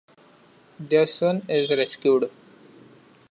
Their son is rescued.